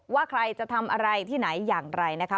ว่าใครจะทำอะไรที่ไหนอย่างไรนะคะ